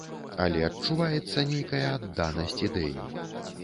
Але адчуваецца нейкая адданасць ідэі.